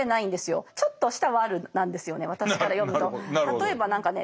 例えば何かね